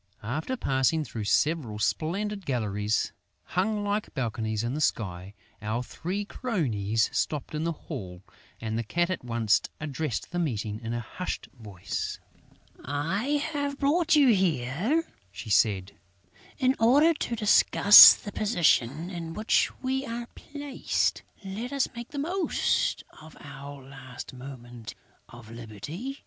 After passing through several splendid galleries, hung like balconies in the sky, our three cronies stopped in the hall; and the Cat at once addressed the meeting in a hushed voice: "I have brought you here," she said, "in order to discuss the position in which we are placed. Let us make the most of our last moment of liberty...."